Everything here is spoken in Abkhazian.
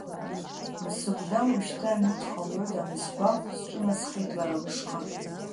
Мсыгәда уажәшьҭа аҩны дҟалоит анысгәахә, сҿынасхеит лара лышҟа.